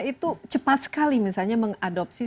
itu cepat sekali misalnya mengadopsi